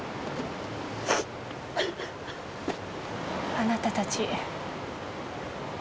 あなたたち。